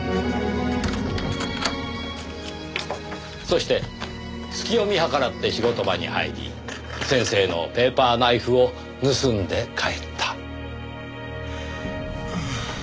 そして隙を見計らって仕事場に入り先生のペーパーナイフを盗んで帰った。